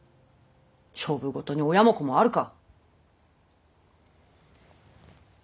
勝負事に親も子もあるか。